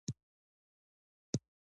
ایا زه باید تواضع وکړم؟